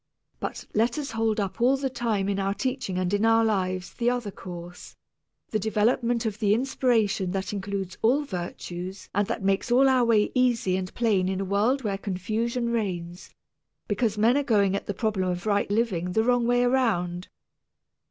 But let us hold up all the time in our teaching and in our lives the other course, the development of the inspiration that includes all virtues and that makes all our way easy and plain in a world where confusion reigns, because men are going at the problem of right living the wrong way around.